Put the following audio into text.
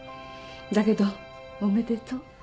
だけどおめでとう。